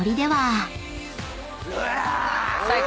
うわ！